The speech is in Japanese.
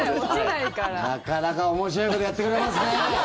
なかなか面白いことやってくれますね。